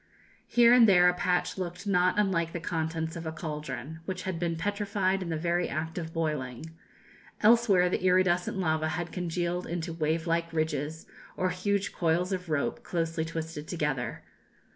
Here and there a patch looked not unlike the contents of a caldron, which had been petrified in the very act of boiling; elsewhere the iridescent lava had congealed into wave like ridges, or huge coils of rope, closely twisted together.